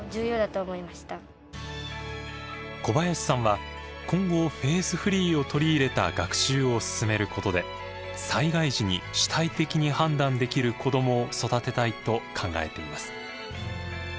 古林さんは今後フェーズフリーを取り入れた学習を進めることで災害時に主体的に判断できる子どもを育てたいと考えています。